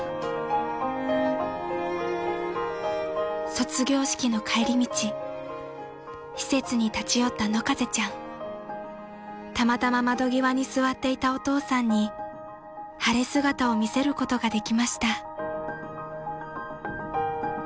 ［卒業式の帰り道施設に立ち寄った野風ちゃん］［たまたま窓際に座っていたお父さんに晴れ姿を見せることができました］